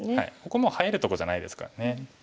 ここもう入るとこじゃないですから。